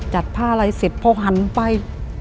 จัดผ้าอะไรเสร็จพอหันไป